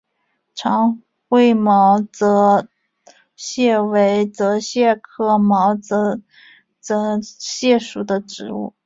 长喙毛茛泽泻为泽泻科毛茛泽泻属的植物。